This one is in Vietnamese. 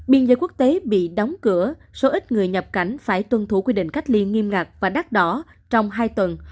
biên giới quốc tế bị đóng cửa số ít người nhập cảnh phải tuân thủ quy định cách ly nghiêm ngặt và đắt đỏ trong hai tuần